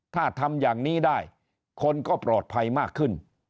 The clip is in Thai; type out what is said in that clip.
ถ้าทำอย่างนี้ได้คนก็ปลอดภัยมากขึ้น